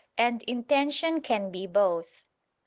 And intention can be both.